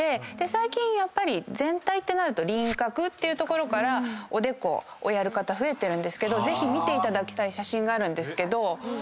最近やっぱり全体ってなると輪郭っていうところからおでこをやる方増えてるんですがぜひ見ていただきたい写真があるんですけど。